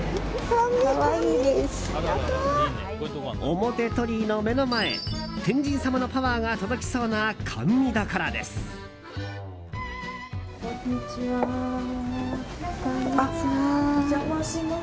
表鳥居の目の前天神様のパワーが届きそうな甘味どころです。